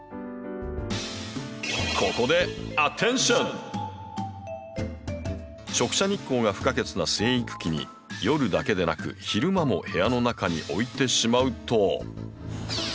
ここで直射日光が不可欠な生育期に夜だけでなく昼間も部屋の中に置いてしまうと。